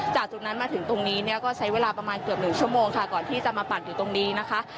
จากจุดนั้นมาถึงตรงนี้เนี่ยก็ใช้เวลาประมาณเกือบหนึ่งชั่วโมงค่ะก่อนที่จะมาปัดอยู่ตรงนี้นะคะ